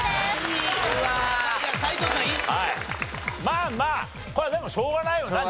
まあまあこれはでもしょうがないよな。